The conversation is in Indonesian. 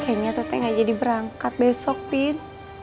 kayaknya teteh gak jadi berangkat besok pin